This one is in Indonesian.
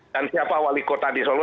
dan siapa wali kota di solo